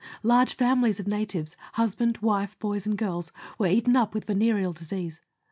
Large families of natives husband, wife, boys, and girls were eaten up with venereal disease.